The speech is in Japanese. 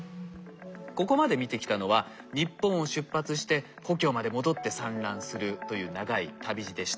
ここまで見てきたのは日本を出発して故郷まで戻って産卵するという長い旅路でした。